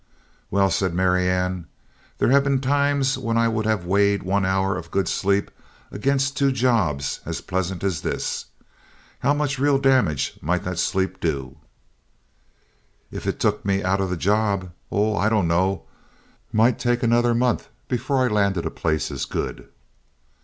"Well," said Marianne, "there have been times when I would have weighed one hour of good sleep against two jobs as pleasant as this. How much real damage might that sleep do?" "If it took me out of the job? Oh, I dunno. Might take another month before I landed a place as good."